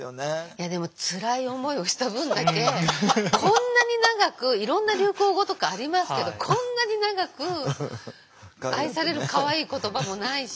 いやでもつらい思いをした分だけこんなに長くいろんな流行語とかありますけどこんなに長く愛されるかわいい言葉もないし。